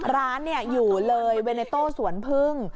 ร้านอยู่เลยเวเนโต้สวนพึ่ง